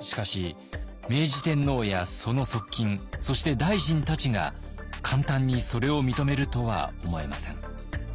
しかし明治天皇やその側近そして大臣たちが簡単にそれを認めるとは思えません。